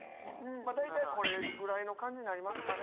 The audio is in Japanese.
大体これぐらいの感じになりますかね。